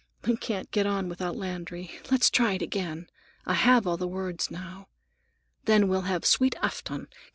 "We can get on without Landry. Let's try it again, I have all the words now. Then we'll have 'Sweet Afton.